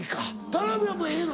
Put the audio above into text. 田辺はもうええの？